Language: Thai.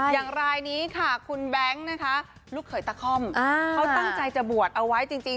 อย่างรายนี้ค่ะคุณแบงค์นะคะลูกเขยตะค่อมเขาตั้งใจจะบวชเอาไว้จริง